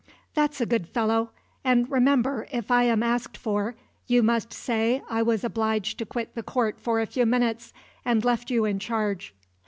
"That's a good fellow and, remember, if I am asked for, you must say I was obliged to quit the court for a few minutes, and left you in charge."